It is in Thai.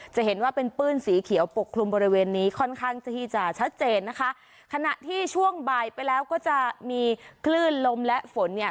จะเห็นว่าเป็นปื้นสีเขียวปกคลุมบริเวณนี้ค่อนข้างที่จะชัดเจนนะคะขณะที่ช่วงบ่ายไปแล้วก็จะมีคลื่นลมและฝนเนี่ย